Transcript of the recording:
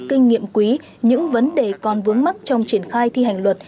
kinh nghiệm quý những vấn đề còn vướng mắt trong triển khai thi hành luật